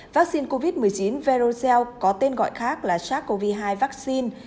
vaccine covid một mươi chín verocell có tên gọi khác là sars cov hai vaccine